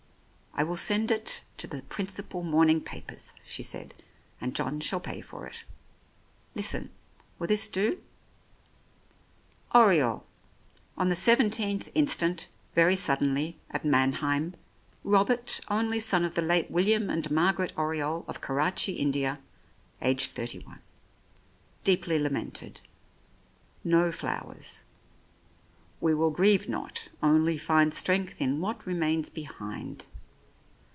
"I will send it to the principal morning papers," she said, "and John shall pay for it. Listen ! Will this do? "ORIOLE. — On the iyth instant, very sud denly, at Mannheim, Robert, only son of the late William and Margaret Oriole, of Karachi, India. Age 31. Deeply lamented. No flowers. * We will grieve not, only find Strength in what remains behind.'